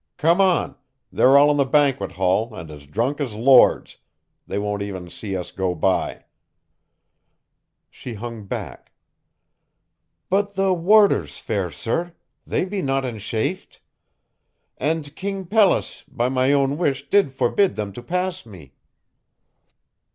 "Come on they're all in the banquet hall and as drunk as lords they won't even see us go by." She hung back. "But the warders, fair sir they be not enchafed. And King Pelles, by my own wish, did forbid them to pass me."